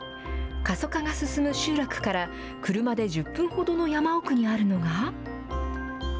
過疎化が進む集落から、車で１０分ほどの山奥にあるのが。